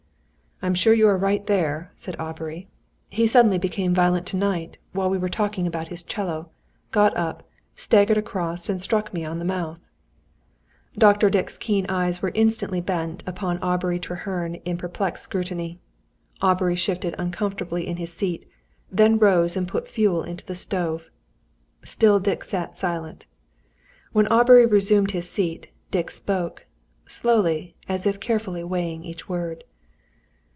"I am sure you are right, there," said Aubrey. "He suddenly became violent to night, while we were talking about his 'cello; got up, staggered across, and struck me on the mouth." Dr. Dick's keen eyes were instantly bent upon Aubrey Treherne in perplexed scrutiny. Aubrey shifted uncomfortably in his seat; then rose and put fuel into the stove. Still Dick sat silent. When Aubrey resumed his seat, Dick spoke slowly, as if carefully weighing every word.